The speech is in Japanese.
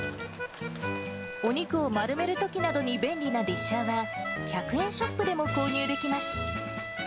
お肉を丸めるときなどに便利なディッシャーは、１００円ショップでも購入できます。